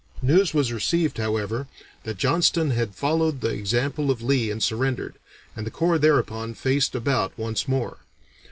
News was received, however, that Johnston had followed the example of Lee and surrendered, and the corps thereupon faced about once more.